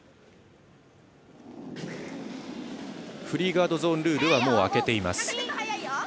フリーガードゾーンルールは、もう明けています。